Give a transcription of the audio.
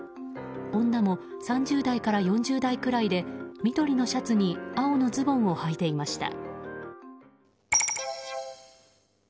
女も３０代から４０代くらいで緑のシャツに青のズボンをはいていました。